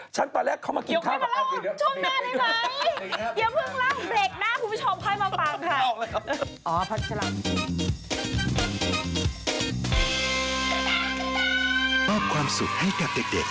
ฉันตอนแรกเข้ามากินข้าวอย่ามาเล่าช่วงแม่ได้ไหม